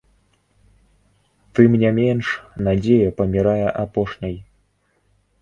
Тым не менш надзея памірае апошняй.